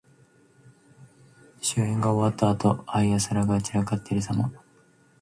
酒宴が終わったあと、杯や皿が散らかっているさま。